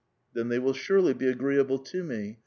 ^ Then they will surely be agreeable to me.